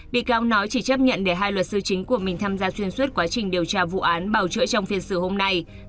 bị cáo nói chỉ chấp nhận để hai luật sư chính của mình tham gia xuyên suốt quá trình điều tra vụ án bảo chữa trong phiên xử hôm nay